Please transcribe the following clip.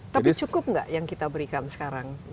tapi cukup nggak yang kita berikan sekarang